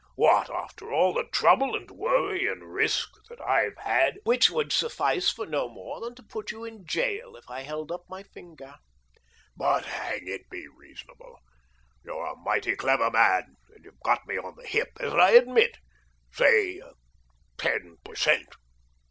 What, after all the trouble and worry and risk that I've had "" Which would suffice for no more than to put you in gaol if I held up my finger !" "But hang it, be reasonable ! You're a mighty 192 THE DOEEINGTON DEED BOX clever man, and you've got me on the hip, as I admit. Say ten per cent."